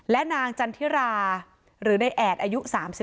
และนางจันทิราหรือในแอดอายุ๓๒